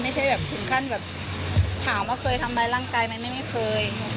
ไม่ใช่แบบถึงขั้นแบบถามว่าเคยทำร้ายร่างกายไหมไม่เคย